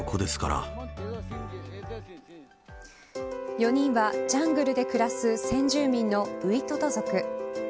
４人はジャングルで暮らす先住民のウイトト族。